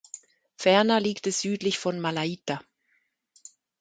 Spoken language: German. Ferner liegt es südlich von Malaita.